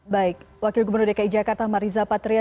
baik wakil gubernur dki jakarta mariza patria